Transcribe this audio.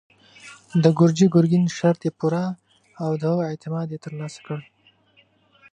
د ګرجي ګرګين شرط يې پوره او د هغه اعتماد يې تر لاسه کړ.